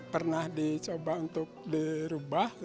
pernah dicoba untuk dirubah